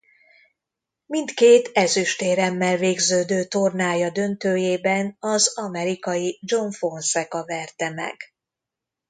Mindkét ezüstéremmel végződő tornája döntőjében az amerikai John Fonseca verte meg.